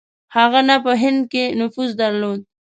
هغه نه په هند کې نفوذ درلود.